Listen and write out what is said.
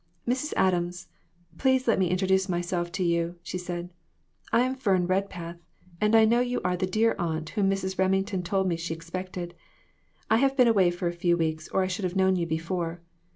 "Mrs. Adams, please let me introduce myself to you," she said. "I am Fern Redpath, and I know you are the dear aunt whom Mrs. Reming ton told me she expected. I have been away for a few weeks, or I should have known you before.